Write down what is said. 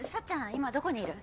今どこにいる？